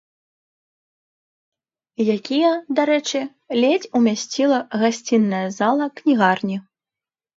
Якія, дарэчы, ледзь умясціла гасцінная зала кнігарні.